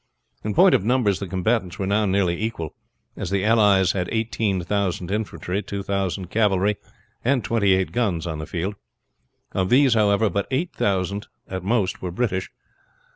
In point of numbers the combatants were now nearly equal, as the allies had eighteen thousand infantry, two thousand cavalry, and twenty eight guns on the field. Of these, however, but eight thousand at most were British.